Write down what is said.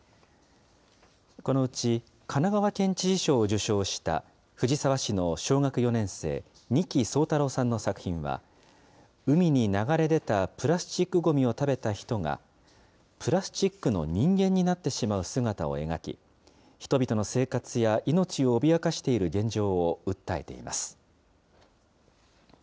このうち、神奈川県知事賞を受賞した藤沢市の小学４年生、仁木聡太郎さんの作品は、海に流れ出たプラスチックごみを食べた人が、プラスチックの人間になってしまう姿を描き、人々の生活や命を脅かしている現状を訴えています。